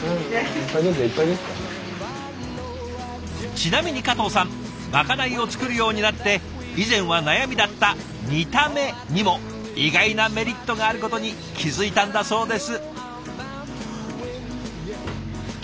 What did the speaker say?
ちなみに加藤さんまかないを作るようになって以前は悩みだった「見た目」にも意外なメリットがあることに気付いたんだそうです。